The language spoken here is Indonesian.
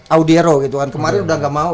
audiero gitu kan kemarin udah gak mau